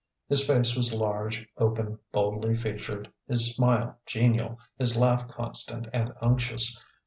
His face was large, open, boldly featured, his smile genial, his laugh constant and unctuous.